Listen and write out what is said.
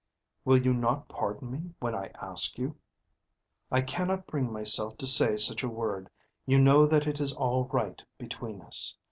"Will you not pardon me when I ask you?" "I cannot bring myself to say such a word. You know that it is all right between us.